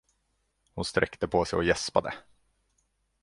Hon sträckte på sig och gäspade.